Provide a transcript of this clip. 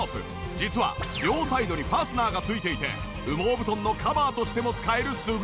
実は両サイドにファスナーが付いていて羽毛布団のカバーとしても使える優れもの。